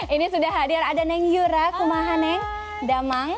ini sudah hadir ada neng yura kumahan neng damang